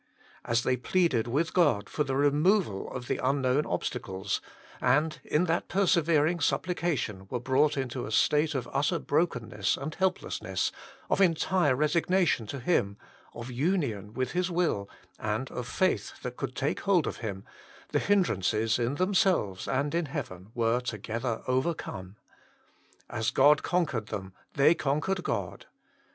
As they pleaded with God for the removal of the unknown obstacles, and in that persevering supplication were brought into a state of utter brokenness and helplessness, of entire resignation to Him, of union with His will, and of faith that could take hold of Him, the hindrances in themselves and in heaven were together overcome. As God conquered them, they conquered God.